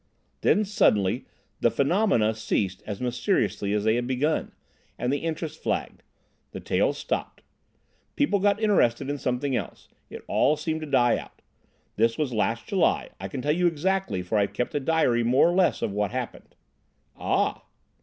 "Then suddenly, the phenomena ceased as mysteriously as they had begun, and the interest flagged. The tales stopped. People got interested in something else. It all seemed to die out. This was last July. I can tell you exactly, for I've kept a diary more or less of what happened." "Ah!"